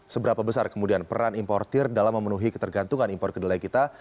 seberapa besar kemudian peran importir dalam memenuhi ketergantungan impor kedelai kita